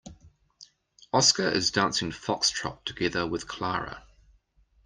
Oscar is dancing foxtrot together with Clara.